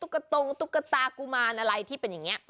กระตงตุ๊กตากุมารอะไรที่เป็นอย่างนี้